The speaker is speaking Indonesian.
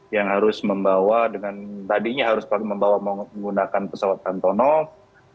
yang harus membawa dengan tadinya harus membawa menggunakan pesawat antonov